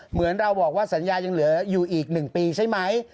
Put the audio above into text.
เหมือนเราบอกว่าสัญญายังเหลืออยู่อีก๑ปีใช่ไหม